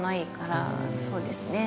そうですね。